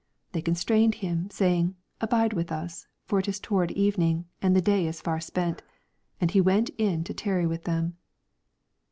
" They constrained Him, saying, ahide with us : for it is toward evening, and the day is far spent. And He went in to tarry with them.''